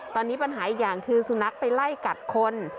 ตอนนี้ปัญหาอีกอย่างคือสุนัขไปไล่กัดคน